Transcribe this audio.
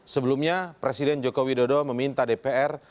sebelumnya presiden joko widodo meminta dpr